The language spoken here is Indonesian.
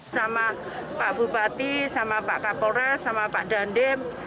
sama pak bupati pak kapolres pak dandem